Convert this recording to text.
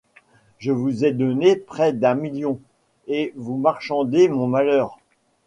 Je vous ai donné près d’un million, et vous marchandez mon malheur.